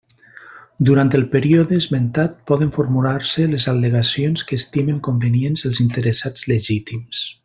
Durant el període esmentat poden formular-se les al·legacions que estimen convenients els interessats legítims.